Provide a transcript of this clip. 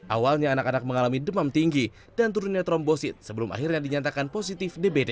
awalnya anak anak mengalami demam tinggi dan turunnya trombosit sebelum akhirnya dinyatakan positif dbd